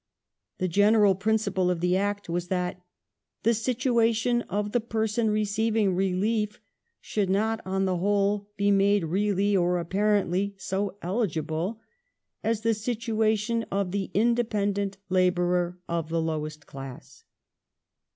The general principle of the Act was that '' the situation of the person receiving relief should not on the whole be made really or apparently so eligible as the situation of the in ' dependent labourer of the lowest class